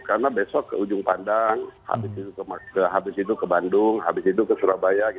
karena besok ke ujung pandang habis itu ke bandung habis itu ke surabaya